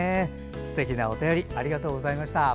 すてきなお便りありがとうございました。